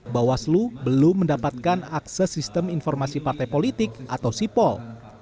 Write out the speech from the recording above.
bawaslu belum mendapatkan akses sistem informasi partai politik atau sipol